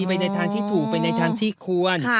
ไปในทางที่ถูกไปในทางที่ควร